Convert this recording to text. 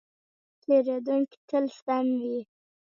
پیرودونکی تل سم وي.